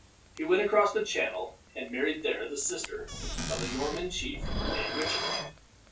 He went across the Channel, and married there the sister of a Norman chief named Richard.